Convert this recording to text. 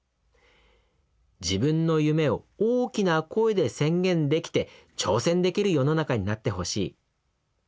「自分の夢を大きな声で宣言できて挑戦できる世の中になってほしい。